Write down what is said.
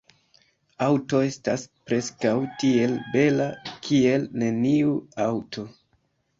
Aŭto estas preskaŭ tiel bela kiel neniu aŭto.